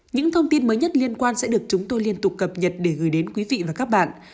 những thông tin mới nhất liên quan sẽ được chúng tôi liên tục cập nhật để gửi đến quý vị và các bạn